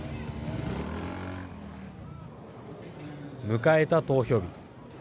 迎えた投票日。